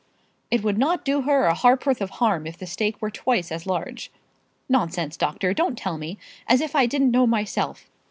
"It would not do her a ha'porth of harm if the stake were twice as large." "Nonsense, doctor, don't tell me; as if I didn't know myself.